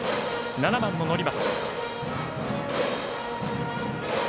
７番の乘松。